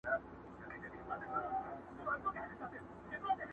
ډېري مو وکړې د تاریخ او د ننګونو کیسې،